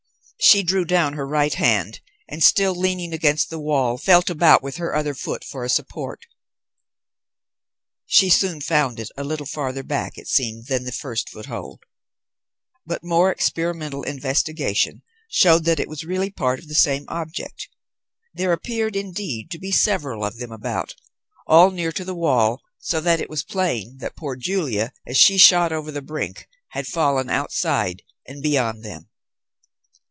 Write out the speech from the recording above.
She drew down her right hand, and still leaning against the wall felt about with her other foot for a support. She soon found it, a little farther back it seemed than the first foothold; but more experimental investigation showed that it was really part of the same object. There appeared, indeed, to be several of them about, all near to the wall, so that it was plain that poor Julia, as she shot over the brink, had fallen outside, and beyond them.